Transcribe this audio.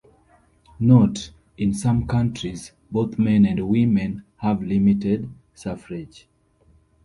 Note: in some countries both men and women have limited suffrage.